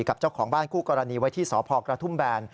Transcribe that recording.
กับเจ้าของบ้านคู่กรณีไว้ที่สพกระทุ่มแบน